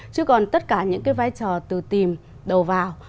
chứ còn tất cả những cái vai trò từ tìm đầu vào